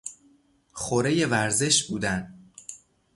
خورهی ورزش بودن